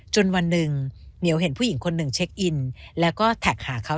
วันหนึ่งเหมียวเห็นผู้หญิงคนหนึ่งเช็คอินแล้วก็แท็กหาเขา